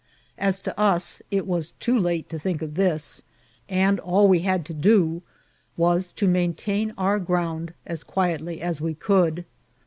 As to ns, it was too late to think of this, and all we had to do was to main* tain our ground as quietly as we could.